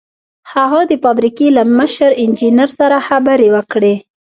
هغه د فابریکې له مشر انجنیر سره خبرې وکړې